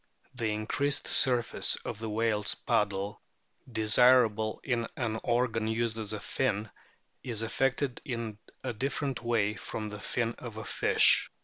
The increased surface of the whale's paddle, desirable in an organ used as a fin, is affected in a different way from the fin of the fish.